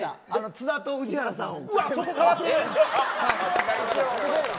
津田と宇治原さんを。